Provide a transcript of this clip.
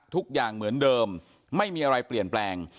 ทุกอย่างเหมือนเดิมไม่มีอะไรเปลี่ยนแปลง